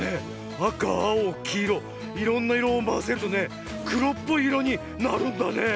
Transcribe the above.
あかあおきいろいろんないろをまぜるとねくろっぽいいろになるんだね。